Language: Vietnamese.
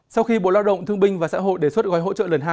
sau khi bộ lao động thương binh và xã hội đề xuất gói hỗ trợ lần hai